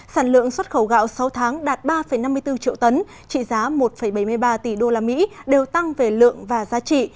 sản lượng xuất khẩu gạo sáu tháng đạt ba năm mươi bốn triệu tấn trị giá một bảy mươi ba tỷ usd đều tăng về lượng và giá trị